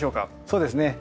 そうですね